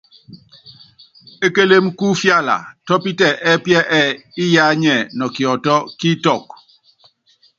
Ékélém kú ifiala tɔ́pítɛ ɛ́pí ɛ́ɛ : Iyá nyɛ nɔ kiɔtɔ́ kí itɔ́k.